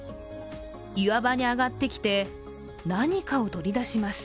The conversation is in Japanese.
岩場に上がってきて、何かを取り出します。